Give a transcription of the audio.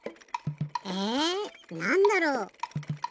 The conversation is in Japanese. えなんだろう？